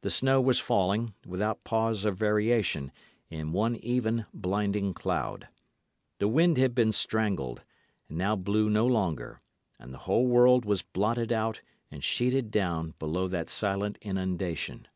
The snow was falling, without pause or variation, in one even, blinding cloud; the wind had been strangled, and now blew no longer; and the whole world was blotted out and sheeted down below that silent inundation.